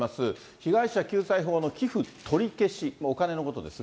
被害者救済法の寄付取り消し、お金のことですが。